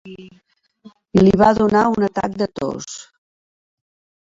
Li va donar un atac de tos.